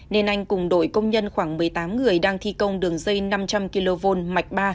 nên anh cùng đội công nhân khoảng một mươi tám người đang thi công đường dây năm trăm linh kv mạch ba